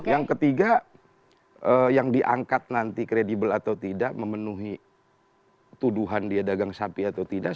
yang ketiga yang diangkat nanti kredibel atau tidak memenuhi tuduhan dia dagang sapi atau tidak